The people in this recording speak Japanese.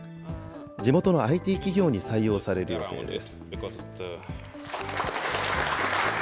地元のＩＴ企業に採用される予定です。